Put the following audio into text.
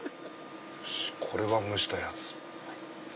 これは蒸したやつ。